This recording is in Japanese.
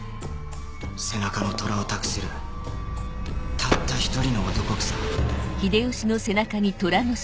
背中の虎を託せるたった一人の男くさ。